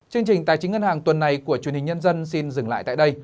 chương trình tài chính ngân hàng tuần này của truyền hình nhân dân xin dừng lại tại đây